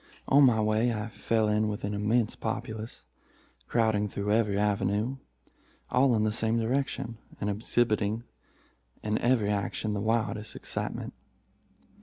On my way I fell in with an immense populace, crowding through every avenue, all in the same direction, and exhibiting in every action the wildest excitement.